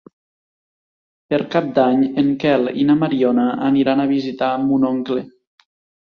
Per Cap d'Any en Quel i na Mariona aniran a visitar mon oncle.